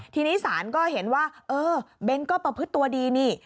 ทีนี้ศาลก็เห็นว่าเออเบ้นก็ประพฤติตัวดีนี่